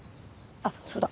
あっそうだ。